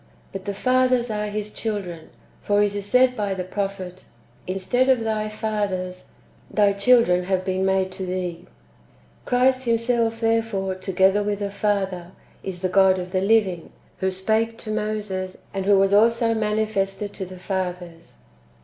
^ But the fathers are His children ; for it is said by the prophet :" Li stead of thy fathers, thy children have been made to thee." ^ Christ Himself, therefore, together with the Father, is the God of the living, who spake to Moses, and w^ho was also manifested to the fathers.